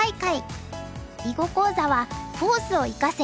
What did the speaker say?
囲碁講座は「フォースを生かせ！